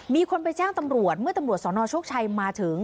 มีคนไปแจ้งตำรวจเมื่อตำรวจสนโชคชัยมาถึง